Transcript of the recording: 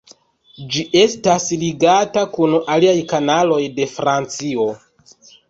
Ĝi estas ligata kun aliaj kanaloj de Francio.